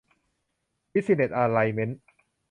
บิสซิเนสอะไลเม้นท์